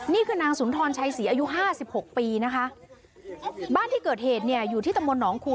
นี่คือนางสุนทรชัยศรีอายุห้าสิบหกปีนะคะบ้านที่เกิดเหตุเนี่ยอยู่ที่ตำบลหนองคู